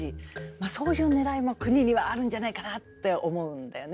まあそういうねらいも国にはあるんじゃないかなって思うんだよね。